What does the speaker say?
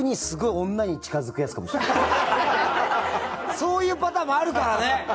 そういうパターンもあるからね。